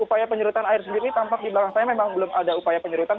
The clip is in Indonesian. upaya penyurutan air sendiri tampak di barang saya memang belum ada upaya penyurutan